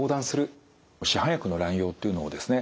市販薬の乱用っていうのをですね